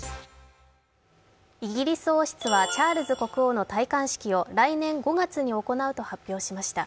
イギリス王室はチャールズ国王の戴冠式を来年５月に行うと発表しました。